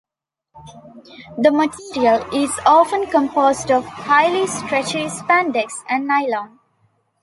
The material is often composed of highly stretchy spandex and nylon.